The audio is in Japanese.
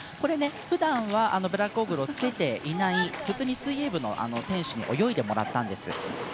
ふだんはブラックゴーグルを着けていない水泳部の選手に泳いでもらったんですけど。